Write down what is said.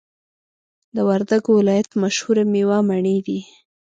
د وردګو ولایت مشهوره میوه مڼی دی